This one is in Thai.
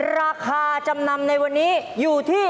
ราคาจำนำในวันนี้อยู่ที่